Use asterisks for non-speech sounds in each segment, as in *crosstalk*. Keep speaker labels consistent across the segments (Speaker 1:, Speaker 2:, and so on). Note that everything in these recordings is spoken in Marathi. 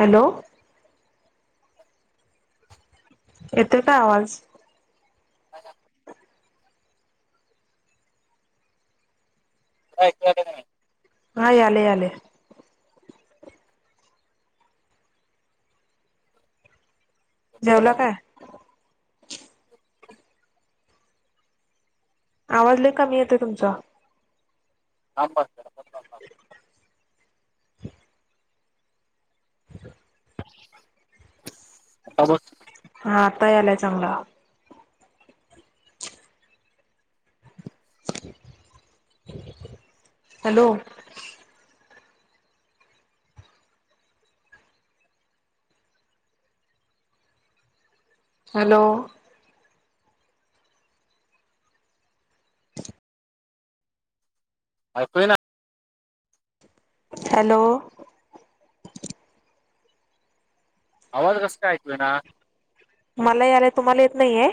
Speaker 1: हॅलो. येतोय काय आवाज?
Speaker 2: ह *inaudible* ह का.
Speaker 1: हा यालय यालय जेवला
Speaker 2: बघा,
Speaker 1: काय?
Speaker 2: *unintelligible*
Speaker 1: आवाज लय कमी येते तुमचा.
Speaker 2: *unintelligible* थांब.
Speaker 1: ह.
Speaker 2: *unintelligible*
Speaker 1: हा आता यालाय चांगला. हॅलो. हॅलो.
Speaker 2: ऐकू येना.
Speaker 1: हॅलो.
Speaker 2: आवाज कस काय ऐकू येना.
Speaker 1: मला यालाय तुम्हाला येत नाहीये?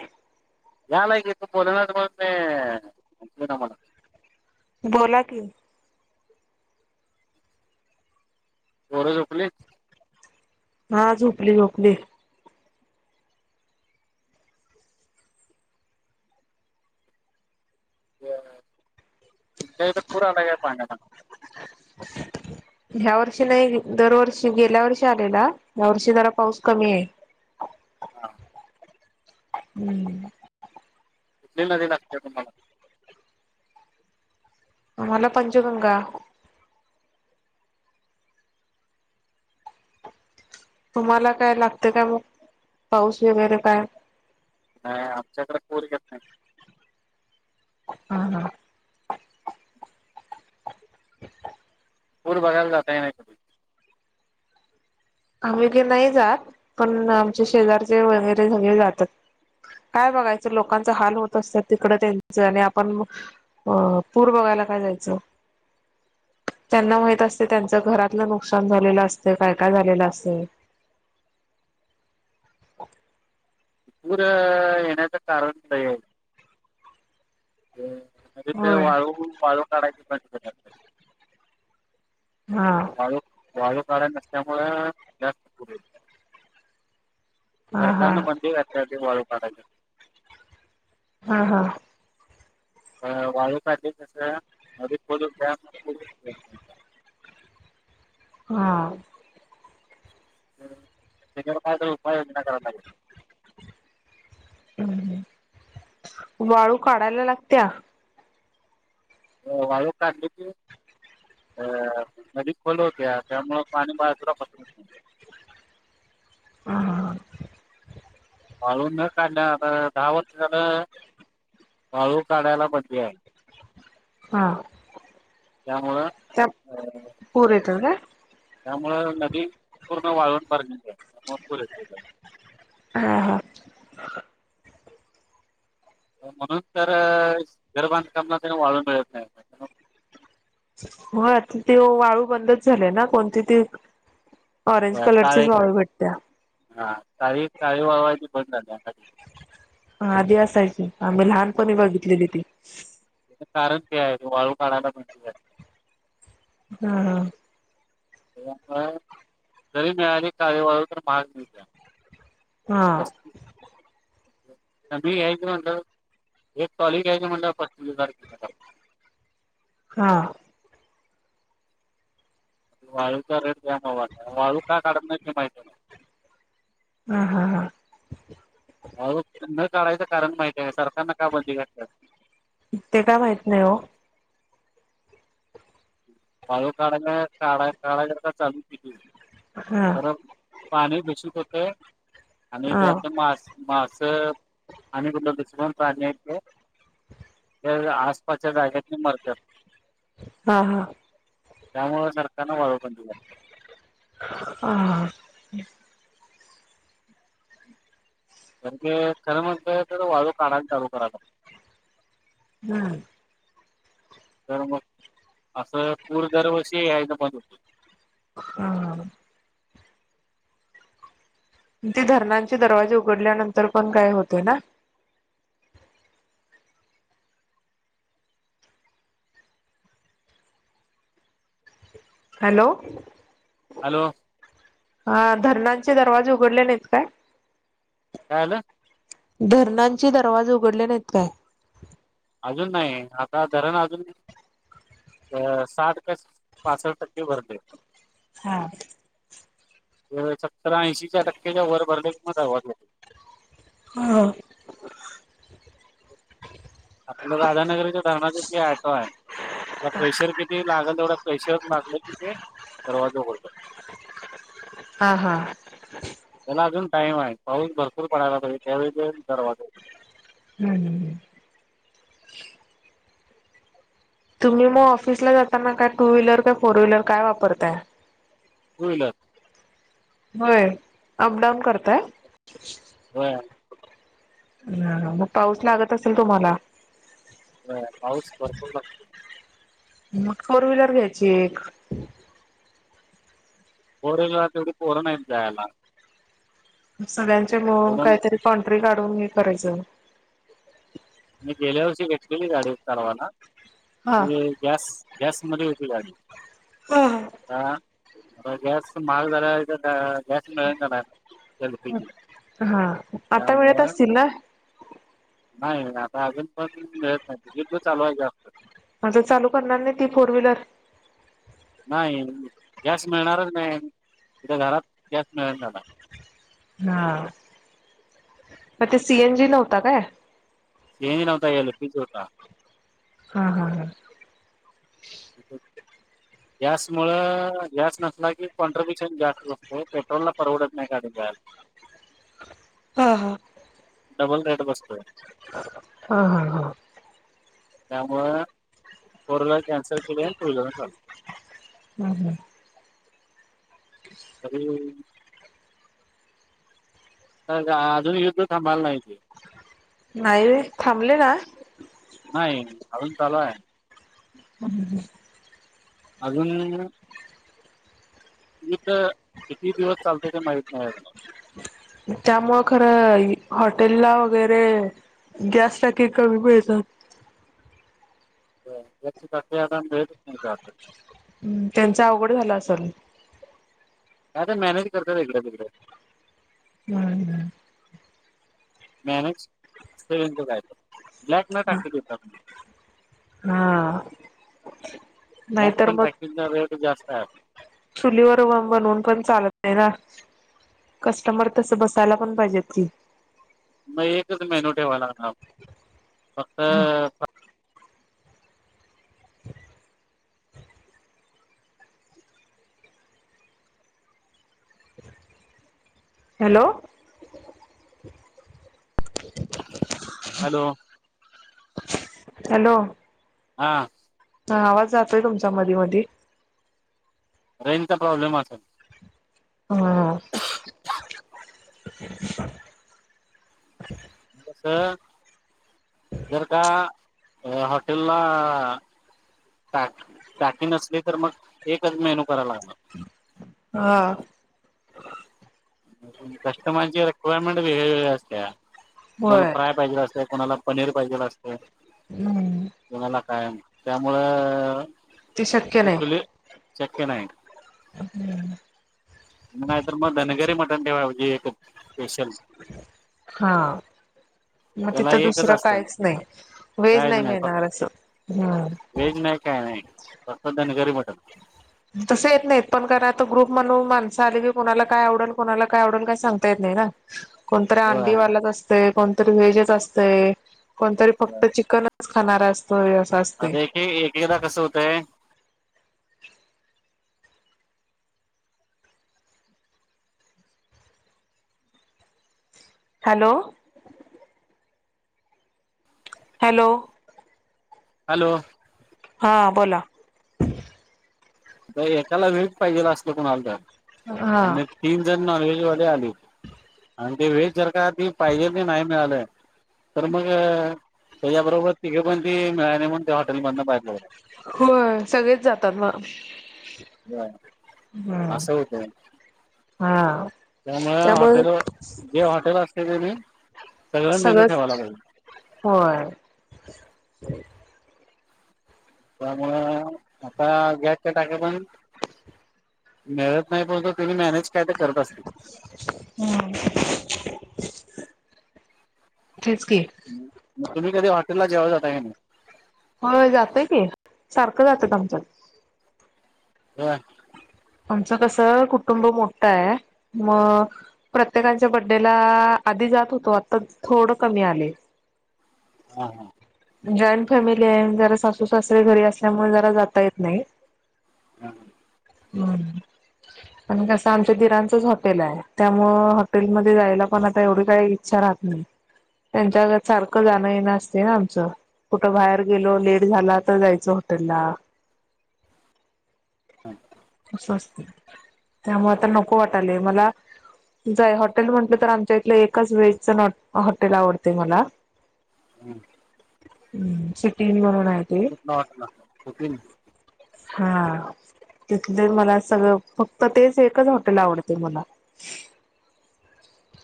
Speaker 2: या लाय कि बोल नास पण ना मला
Speaker 1: बोला की.
Speaker 2: पोर झोपली.
Speaker 1: हा झोपली झोपली.
Speaker 2: ते तर पुरा आलाय पाण्याला.
Speaker 1: ह्या वर्षी नाही. दरवर्षी गेल्या वर्षी आलेला. ह्या वर्षी जरा पाऊस कमी आहे.
Speaker 2: हा.
Speaker 1: हम्.
Speaker 2: *unintelligible*
Speaker 1: आम्हाला पंचगंगा. तुम्हाला काय लागते का मग पाऊस वगैरे काय.
Speaker 2: नाही आमच्याकडे पूर येत नाही.
Speaker 1: हम हा.
Speaker 2: पूर बघायला जाता काय नाही?
Speaker 1: आम्हीे नाही जात. पण आमचे शेजारचे वगैरे सगळे जातात. काय बघायचं लोकांचा हाल होत असतात. तिकडं त्यांच आणि आपण अ पूर बघायला काय जायचं. त्यांना माहित असते त्यांच घरातलं नुकसान झालेलं असत. काय काय झालेलं असत.
Speaker 2: पूर येण्याच कारण *unintelligible* आहे. म तिथं
Speaker 1: होय
Speaker 2: वाळू वाळू काढायच बंद केल्यात.
Speaker 1: हा.
Speaker 2: वाळू, वाळू काढाय नसल्यामुळ
Speaker 1: हा हा
Speaker 2: सरकारनं बंदी घातल्या ते वाळू काढायच.
Speaker 1: हा हा.
Speaker 2: अ वाळू का *unintelligible* तसं, नदीत खोदून *unintelligible*
Speaker 1: हा.
Speaker 2: त्याच्यावर काय तर उपाय योजना कराव लागेल.
Speaker 1: हम्म हम्म, वाळू काढायला लागत्या?
Speaker 2: हो वालू काढली ती. अ नदी खोल होत्या त्यामुळ पाणी बाहे *unintelligible* पसरत नाही.
Speaker 1: हा हा हा.
Speaker 2: वाळू न काढलं आता दहा वर्ष झालं. वाळू काढायला बंदी हाय.
Speaker 1: हा.
Speaker 2: त्यामुळं.
Speaker 1: त्या, पूर येतात काय?
Speaker 2: त्यामुळ नदी पूर्ण वाळुण बार *unintelligible*
Speaker 1: हां हां.
Speaker 2: म्हणून तर घर बांधकामना तेन वाळू मिळत नाही. त्यामुळं
Speaker 1: मग आता ते वाळू बंदच झालय ना कोणती ते ऑरेंज
Speaker 2: अ,
Speaker 1: कलर चीच
Speaker 2: काळे
Speaker 1: वाळू भेटत्या.
Speaker 2: हा काळी काळी बाळू हाय ते बंद झाल्य.
Speaker 1: हा आधी असायची आम्ही लहानपणी बघितलेली ती.
Speaker 2: कारण ते आहे वाळू काढायला बंदी हाय.
Speaker 1: हा हा.
Speaker 2: त्यामुळ जरी मिळाली काळी वाळू तर महाग मिळत्या.
Speaker 1: हा
Speaker 2: *unintelligible* तर मी घ्यायच म्हणलं, एक टॉली घ्यायच म्हणलं आपण *unintelligible*
Speaker 1: हा.
Speaker 2: वाळूचा रेट जाम *unintelligible* वाळू का काढत नाही ते माहिती *unintelligible*
Speaker 1: हा हा हा.
Speaker 2: वाळू, न काढायचं कारण माहित आहे सरकारन का बंदी घातल्यात.
Speaker 1: ते काय माहित नाही हो.
Speaker 2: वाळू काढाने काढा काढा जर का चालु *unintelligible*
Speaker 1: हा
Speaker 2: तर पाणी बेशुद्ध होतय आणि
Speaker 1: हा
Speaker 2: त्यात मास मास आणि *unintelligible* हाय ते. ते आसपासच्या जाग्यानी मरत्यात.
Speaker 1: हा हा.
Speaker 2: त्यामुळ सरकारन वाळू बंद घातल्यात.
Speaker 1: हा हा हा.
Speaker 2: खरं *unintelligible* वाळू काढाला चालू करायला
Speaker 1: हा.
Speaker 2: तर मग, असं पूर दरवर्षी यायचं बंद होतंय.
Speaker 1: हा हा. ती धरणांचे दरवाजे उघडल्यानंतर पण काय होतय ना. हॅलो.
Speaker 2: हॅलो.
Speaker 1: हा धरणांचे दरवाजे उघडले नाहीत काय?
Speaker 2: काय झालं?
Speaker 1: धरणांचे दरवाज उघडले नाहीत काय?
Speaker 2: अजून नाही आता धरण अजून नाही. अ साठ का पासष्ट टक्के भरले.
Speaker 1: हा
Speaker 2: सतराऐंशीच्या टक्क्याच्या वर भरले किं मवाज हो
Speaker 1: ह
Speaker 2: आपलं राधानगरच्या धरणाचा की टो आहे. ला प्रेशर किती लागल तेवढं प्रेशरच लागलं कि ते दरवाज होत.
Speaker 1: हा हा
Speaker 2: त्याला अजून टाइम आहे पाऊस भरपूर पडायला पाहिजे त्यावेळी दरवाजा.
Speaker 1: हम् हम तुम्ही मग ऑफिसला जाताना काय टू व्हीलर काय फोर व्हीलर काय वापरताय.
Speaker 2: होल
Speaker 1: होय अप डाऊन करताय.
Speaker 2: ह
Speaker 1: ह मग पाऊस लागत असेल तुम्हाला
Speaker 2: पास पर्कत
Speaker 1: मग फोर व्हीलर घ्यायची एक
Speaker 2: परेलला तेवढी पोरोण नाही जायला
Speaker 1: सगळ्यांच्या मुळून
Speaker 2: म्हणून
Speaker 1: काहीतरी पॉंट्री काढून घ करायचं
Speaker 2: मी गेल्या वर्षी घेतलेली गाडी चालवाना
Speaker 1: हा
Speaker 2: गॅस गॅस म होती गाडी
Speaker 1: हा
Speaker 2: ह मता गॅस महाग झाला तर गॅस मिळ झालाय. एल पी जी
Speaker 1: हा आता वेळत
Speaker 2: त्यामुळं
Speaker 1: असतील ना
Speaker 2: नाही आता अजून पण भेत नाही तिकीट पण चालू आहेत.
Speaker 1: आ चालू करणार नाही ती फोर व्हीलर
Speaker 2: नाही गॅस मिळणारच नाही त घरात गॅस मिळ झाला
Speaker 1: हा मग ते सीएन जी नव्हता काय
Speaker 2: न दिनवतायल पीच होटा.
Speaker 1: हा हा हा
Speaker 2: ह गॅस मु गॅस नसला की कॉन्ट्रिब्युशन जास्त असत पेट्रोल ला परवडत नाही गाडी जा. *unintelligible*
Speaker 1: हा हा
Speaker 2: डबल रेड बसतोय.
Speaker 1: हा हा हा
Speaker 2: त्यामुं रला कॅन्सल केले त चाल
Speaker 1: हम् हम
Speaker 2: अरे अजून युद्ध थांबलं नाही ते
Speaker 1: नाही रे थांबले ना
Speaker 2: नाही अजून चालू आहे.
Speaker 1: हम् ह
Speaker 2: अजून युध किती दिवस चालत ते माहित नाही अजून
Speaker 1: त्यामुळ खरं हॉटेल ला वगैरे गॅस टकी कमी पळज
Speaker 2: च कट भे
Speaker 1: ह् त्यांच अवघड झालं असेल.
Speaker 2: काय ते मॅनेज करतातेगळ वगळें
Speaker 1: हम्म हम्म
Speaker 2: मॅनेज अस काय ब्लॅक न टाकी देतात
Speaker 1: हा
Speaker 2: त्यात
Speaker 1: नाहीतर
Speaker 2: पण
Speaker 1: मग
Speaker 2: टाकीचा रेट जास्त आहे आता
Speaker 1: चुलीवर बनवून पण चालत नाही ना कस्टमर तसं बसायला पण पाहिजेत की
Speaker 2: मग एकच मेनू ठेवाया लागणार फक्त
Speaker 1: हॅलो
Speaker 2: हॅलो
Speaker 1: हॅलो
Speaker 2: हा
Speaker 1: हा आवाज जातोय तुमचा मधी मधी
Speaker 2: रेजचा प्रॉब्लेम असेल.
Speaker 1: हा
Speaker 2: कसं जर का हॉटेल ला टॅक टॅकी नसली तर मग एकच मेनू करायला लागतो
Speaker 1: हा
Speaker 2: कस्टमरची रिक्वायरमेंट वेगळेवेगळे असते तुम्हाला
Speaker 1: होय
Speaker 2: फ्राय पाहिजे असते. कोणाला पनीर पाहिजे असतंय
Speaker 1: हम्म
Speaker 2: कुणाला काय त्यामुळे
Speaker 1: ते शक्य
Speaker 2: चुलीवर शक्य नाही.
Speaker 1: हम्म
Speaker 2: नाही तर मग धनगरी मटन ठेवाया
Speaker 1: हा मग
Speaker 2: त्याला
Speaker 1: तिथं
Speaker 2: एकच
Speaker 1: दुसरं
Speaker 2: असते
Speaker 1: काहीच नाही व्हेज
Speaker 2: कायच
Speaker 1: नाही
Speaker 2: फक्त
Speaker 1: मिळणार असं हम्म
Speaker 2: व्हेज नाही काय नाही नुसतं धनगरी मटण फक्त त्याने
Speaker 1: तसं येत नाहीत पण कारण आता ग्रुप म्हणून माणसं आलेली कुणाला काय आवडल कोणाला काय आवडल काय सांगता येत नाही ना कोणतरी
Speaker 2: होय
Speaker 1: अंडीवालाच असतंय कोणतरी व्हेजच असतंय कोणतरी फक्त चिकनच खाणारा असतोय असं असतंय.
Speaker 2: हे एकेकदा कसं होतंय.
Speaker 1: हॅलो हॅलो
Speaker 2: हॅलो
Speaker 1: हा बोला
Speaker 2: किंवा एकाला व्हेज पाहिजे असतंय कोणाला तर
Speaker 1: हा
Speaker 2: आणि तीन जण नॉन व्हेजवाले आले आणि ते व्हेज जर का ते पाहिजे की नाही मिळाल तर मग त्याच्याबरोबर तिकडून पण ती त्या हाँटेलमधून बाहेर
Speaker 1: हो सगळेच जातात मग
Speaker 2: बरं
Speaker 1: हम्म
Speaker 2: असं होतं.
Speaker 1: हा
Speaker 2: त्यामुळे हॉटेल जे हॉटेल असते ते मी सगळं मेनू ठेवायला
Speaker 1: सगळंच
Speaker 2: पाहिजे
Speaker 1: होय.
Speaker 2: त्यामुंळ आता गॅसच्या टाक्या पण मिळत नाही परंतु तुम्ही मॅनेज काय ते करत असतील.
Speaker 1: तेच की
Speaker 2: मग तुम्ही कधी हॉटेलला जेवायला जाता काय नाही?
Speaker 1: होय जातय की सारखं जात्यात आमच्यात
Speaker 2: होय
Speaker 1: आमचं कसं कुटुंब मोठं आहे मग प्रत्येकांच्या बड्डेला आधी जात होतो आता थोडं कमी आलय.
Speaker 2: हा हा
Speaker 1: जॉईंट फॅमिली आहे जरा सासू सासरे घरी असल्यामुळे जरा जाता येत नाही.
Speaker 2: हा
Speaker 1: हम्म.. आणि कसं आमच्या दिरांचच हॉटेल आहे त्यामुळे हॉटेलमध्ये जायला पण आता एवढी काही इच्छा राहत ह त्यांच्या सारखं जा *unintelligible* ना आमच कुठ बाहेर गेलो लेट झाला तर जायचं हॉटेलला
Speaker 2: *inaudible*
Speaker 1: अस असतय त्यामुळे आता नको वाटलेय मला जर हॉटेल म्हंटलं तर आमच्या इथलं एकच व्हेजच हॉटेल आवडतय मला.
Speaker 2: हम्म.
Speaker 1: ह सुटीन म्हणून आहे. ते
Speaker 2: कितला वाटला *unintelligible*
Speaker 1: *unintelligible* तिथले मला सगळं फक्त तेच एकच हॉटेल आवडते मला *inaudible*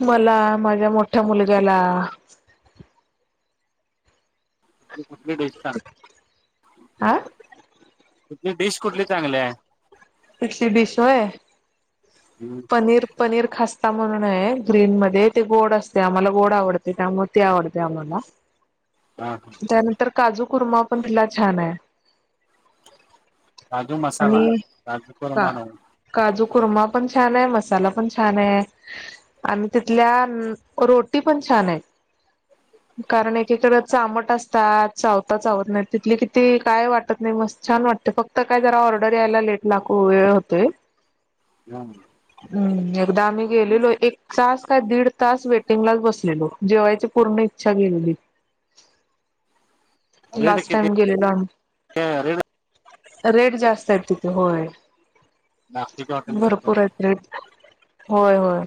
Speaker 1: मला माझ्या मोठ्या मुलग्याला
Speaker 2: ु डेश *inaudible*
Speaker 1: आं
Speaker 2: तिथली डिश कुठली चांगली आहे?
Speaker 1: टेस्टी डिश होय
Speaker 2: हमं
Speaker 1: पनीर, पनीर खासता म्हणून आहे. ग्रीन मध्ये ते गोड असते आम्हाला गोड आवड ते त्यामुळे ते आवडते आम्हाला.
Speaker 2: हा हा
Speaker 1: त्यानंतर काजू कुर्मा पण तिथला छान आहे‌.
Speaker 2: काजू मसाला,
Speaker 1: आणि
Speaker 2: काजू
Speaker 1: का
Speaker 2: कुर्मा नको.
Speaker 1: काजू कुर्मा पण छान आहे, मसाला पण छान आहे. आणि तिथल्या रोटी पण छान आहे.
Speaker 2: *inaudible*
Speaker 1: कारण एकीकडे चामट असतात. चावता चावत नाही, तिथले किती काय वाटत नाही मस्त छान वाटते फक्त तर काय जरा ऑर्डर यायला लेट लागू वेळ होतोय
Speaker 2: हम्म.
Speaker 1: हम्म एकदा आम्ही गेलेलो एक तास काय दीड तास वेटिंगलाच बसलेलो जेवायची पूर्ण इच्छा गेलेली.
Speaker 2: रेट
Speaker 1: लास्ट
Speaker 2: किती
Speaker 1: टाईम गेलेला
Speaker 2: आहे रेट
Speaker 1: आम्ही रेट जास्त आहे तिथे होय.
Speaker 2: बाकीच्या हॉटेलपेक्षा?
Speaker 1: भरपूर आहेेत रेट होय, होय.